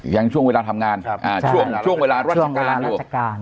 อย่างช่วงเวลาทำงานช่วงเวลารัชการช่วงเวลารัชการ